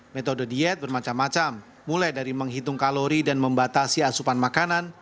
metode diet bermacam macam mulai dari menghitung kalori dan membatasi asupan makanan